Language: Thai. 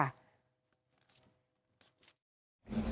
คุณพระอาจารย์ครับ